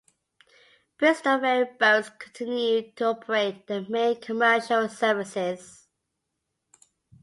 Bristol Ferry Boats continued to operate their main commercial services.